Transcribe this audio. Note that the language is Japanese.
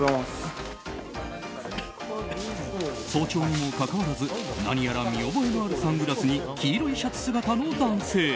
早朝にもかかわらず何やら見覚えのあるサングラスに黄色いシャツ姿の男性。